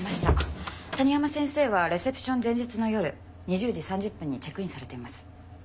谷浜先生はレセプション前日の夜２０時３０分にチェックインされています。